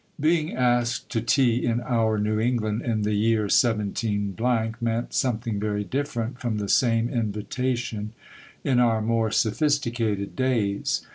Being asked to tea in our New England in the year 17— meant something very different from the same invitation in our more sophisticated days.